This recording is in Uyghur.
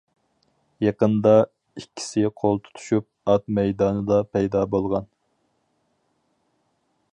يېقىندا، ئىككىسى قول تۇتۇشۇپ ئات مەيدانىدا پەيدا بولغان.